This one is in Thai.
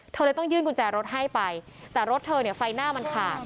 เธอเลยต้องยื่นกุญแจรถให้ไปแต่รถเธอเนี่ยไฟหน้ามันขาด